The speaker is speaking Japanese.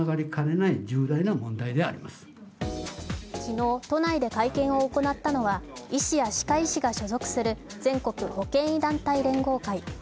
昨日、都内で会見を行ったのは医師や歯科医師が所属する全国保険医団体連合会。